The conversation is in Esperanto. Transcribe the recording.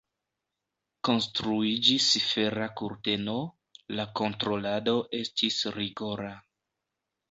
Konstruiĝis Fera kurteno, la kontrolado estis rigora.